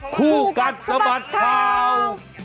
คู่กัดสะบัดข่าว